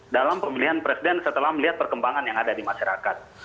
dalam pemilihan presiden setelah melihat perkembangan yang ada di masyarakat